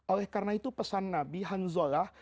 oleh karena itu pesan nabi hanzalah